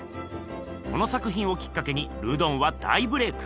この作ひんをきっかけにルドンは大ブレーク。